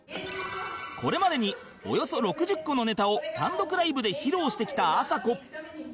これまでにおよそ６０個のネタを単独ライブで披露してきたあさこ